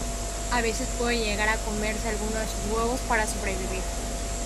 A veces puede llegar a comerse algunos de sus huevos para sobrevivir.